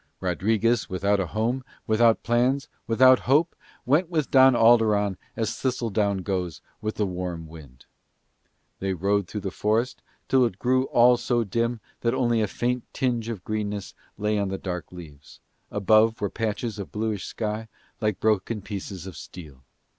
Rodriguez without a home, without plans, without hope, went with Don Alderon as thistledown goes with the warm wind. They rode through the forest till it grew all so dim that only a faint tinge of greenness lay on the dark leaves: above were patches of bluish sky like broken pieces of steel.